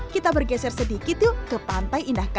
kita bergeser sedikit yuk ke pantai indah kapu